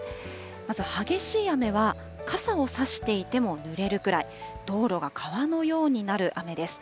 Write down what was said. まず、激しい雨は傘を差していてもぬれるくらい、道路が川のようになる雨です。